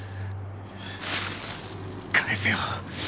返せよ。